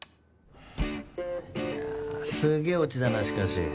いやあすげえオチだなしかし。